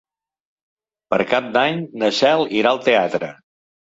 Per Cap d'Any na Cel irà al teatre.